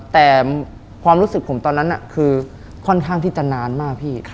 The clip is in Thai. แต่ความรู้สึกผมตอนนั้นคือค่อนข้างที่จะนานมากพี่